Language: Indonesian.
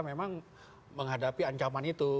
memang menghadapi ancaman itu